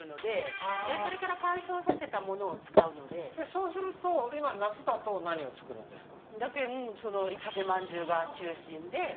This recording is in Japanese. そうすると今夏だと何を作るんですか？